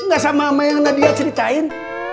nggak sama sama yang nadia ceritain